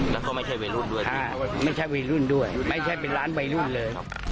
แล้วก็ไม่ใช่วัยรุ่นด้วยไม่ใช่วัยรุ่นด้วยไม่ใช่เป็นร้านวัยรุ่นเลย